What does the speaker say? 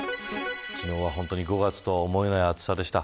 昨日は、５月とは思えない暑さでした。